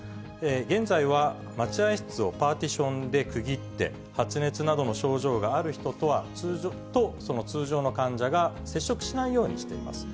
現在は待合室をパーティションで区切って、発熱などの症状がある人と、その通常の患者が接触しないようにしています。